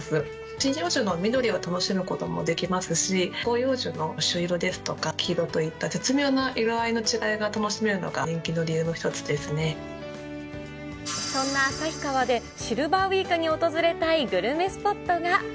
針葉樹の緑を楽しむこともできますし、広葉樹の朱色ですとか、黄色といった絶妙な色合いの違いが楽しめるのが人気の理由の一つそんな旭川で、シルバーウィークに訪れたいグルメスポットが。